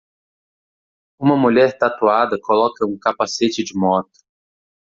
Uma mulher tatuada coloca um capacete de moto.